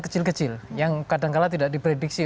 kecil kecil yang kadang kadang tidak diprediksi